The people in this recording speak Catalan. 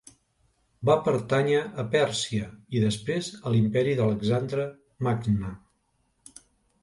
Va pertànyer a Pèrsia i després a l'imperi d'Alexandre Magne.